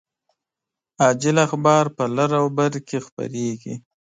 عاجل اخبار په لر او بر کې خپریږي